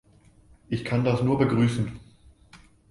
Ich kann das nur begrüßen.